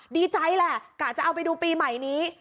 ดีใจแหละกะจะเอาไปดูปีใหม่นี้